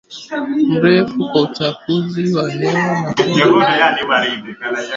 mrefu kwa uchafuzi wa hewa na na kuwa na uwezekana mkubwa wa